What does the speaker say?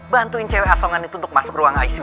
bantuin cewek asongan itu untuk masuk ruang icu